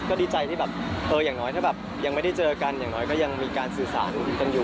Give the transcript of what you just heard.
ก็ดีใจว่าอย่างน้อยถ้ายังไม่ได้เจอกันอย่างน้อยก็ยังสื่อสารขนาดนี้กันอยู่